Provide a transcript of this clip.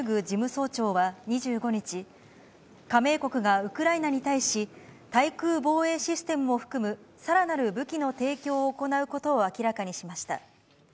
事務総長は２５日、加盟国がウクライナに対し、対空防衛システムを含むさらなる武器の提供を行うことを明らかにしました。